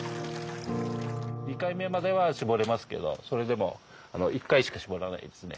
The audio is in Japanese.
２回目までは搾れますけどそれでも１回しか搾らないですね。